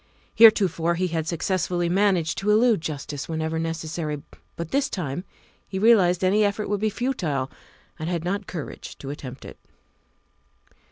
Heretofore he had successfully managed to elude justice whenever necessary, but this time he realized any effort would be futile and had not courage to attempt it.